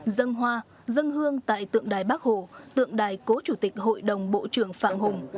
dân hoa dân hương tại tượng đài bắc hồ tượng đài cố chủ tịch hội đồng bộ trưởng phạm hùng